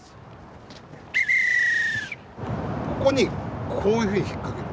ここにこういうふうに引っ掛ける。